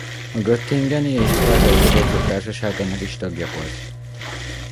A göttingeni és prágai tudósok társaságának is tagja volt.